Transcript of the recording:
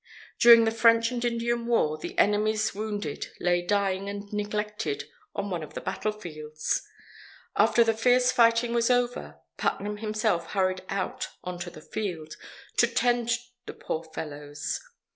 During the French and Indian War, the enemy's wounded lay dying and neglected on one of the battle fields. After the fierce fighting was over, Putnam himself hurried out onto the field, to tend the poor fellows.